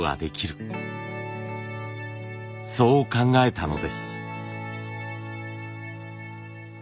そう考えたのです。